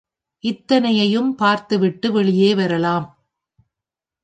இத்தனையையும் பார்த்துவிட்டு வெளியே வரலாம்.